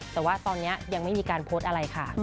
แต่ว่าตอนนี้ยังไม่มีการโพสต์อะไรค่ะ